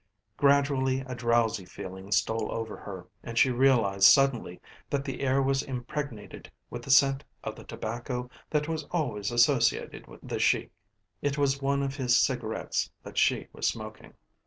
Gradually a drowsy feeling stole over her and she realised suddenly that the air was impregnated with the scent of the tobacco that was always associated with the Sheik. It was one of his cigarettes that she was smoking.